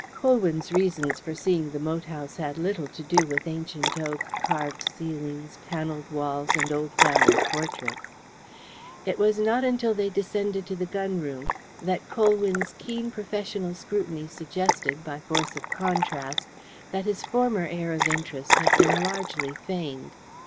Colwyn's reasons for seeing the moat house had little to do with ancient oak, carved ceilings, panelled walls, and old family portraits. It was not until they descended to the gun room that Colwyn's keen professional scrutiny suggested, by force of contrast, that his former air of interest had been largely feigned.